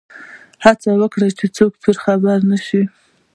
هڅه کوي چې څوک پرې خبر نه شي.